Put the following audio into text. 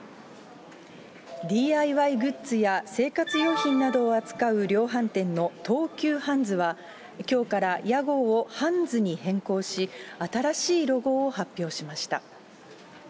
ＤＩＹグッズや生活用品などを扱う量販店の東急ハンズは、きょうから屋号をハンズに変更し、新しいロゴを発表しました。